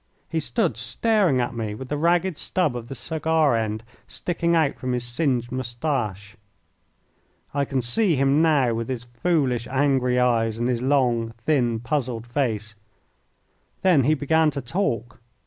He stood staring at me with the ragged stub of the cigar end sticking out from his singed mustache. I can see him now with his foolish, angry eyes and his long, thin, puzzled face. Then he began to talk.